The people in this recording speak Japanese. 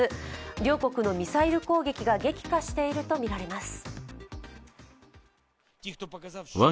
両国のミサイル攻撃が激化しているとみられます。